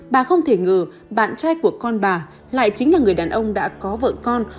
bà không thể ngờ bạn trai của con bà lại chính là người đàn ông đã có vợ con